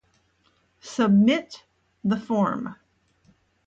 Submit the form